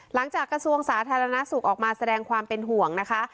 กระทรวงสาธารณสุขออกมาแสดงความเป็นห่วงนะคะ